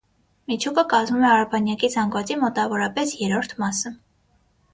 Միջուկը կազմում է արբանյակի զանգվածի մոտավորապես երրորդ մասը։